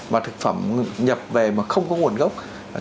mà thực phẩm nhập về mà không có giới thiện về thực phẩm